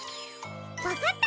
わかった！